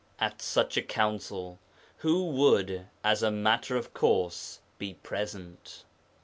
At such a Council who would as a matter of course be present?